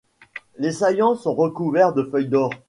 Les saillants sont recouverts de feuilles d’or.